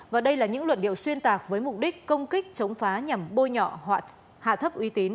và đây là những luận điệu xuyên tạc với mục đích công kích chống phá nhằm bôi nhọ hạ thấp uy tín